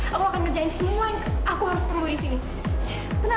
aku akan ngerjain semua yang aku harus peroleh disini